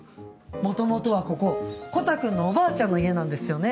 元々はここコタくんのおばあちゃんの家なんですよね。